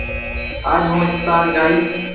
آج هُون هسپتال جائِي۔